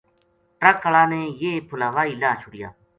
ٹرک ہالا نے یہ پھلاوائی لاہ چھُڑیا